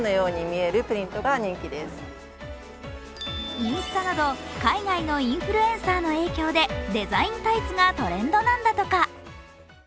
インスタなど海外のインフルエンサーなどの影響でデザインタイツがトレンドなんだとか。